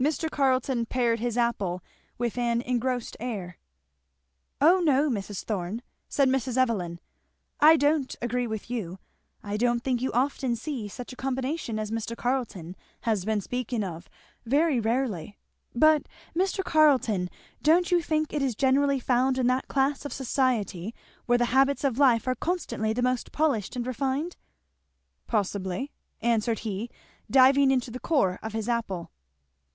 Mr. Carleton pared his apple with an engrossed air. "O no, Mrs. Thorn," said Mrs. Evelyn, "I don't agree with you I don't think you often see such a combination as Mr. Carleton has been speaking of very rarely! but, Mr. Carleton, don't you think it is generally found in that class of society where the habits of life are constantly the most polished and refined?" "Possibly," answered he, diving into the core of his apple.